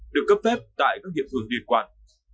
được cấp phép tại các hiệp thường liên quan